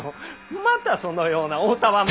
またそのようなお戯れを。